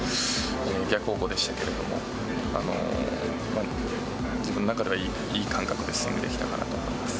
逆方向でしたけれども、自分の中ではいい感覚でスイングできたかなと思います。